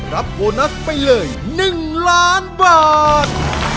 รับโบนัสไปเลย๑ล้านบาท